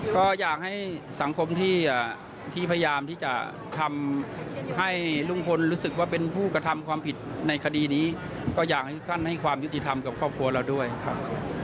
ก็อยากให้สังคมที่พยายามที่จะทำให้ลุงพลรู้สึกว่าเป็นผู้กระทำความผิดในคดีนี้ก็อยากให้ท่านให้ความยุติธรรมกับครอบครัวเราด้วยครับ